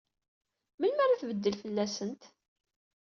Melmi ara tbeddel fell-asent.